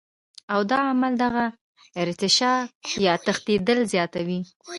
او دا عمل دغه ارتعاش يا تښنېدل زياتوي